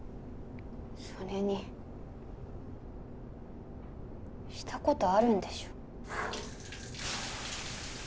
それにシたことあるんでしょ？